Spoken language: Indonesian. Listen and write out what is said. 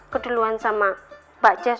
keduluan sama mbak cez